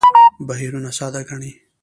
بهیرونه ساده ګڼي.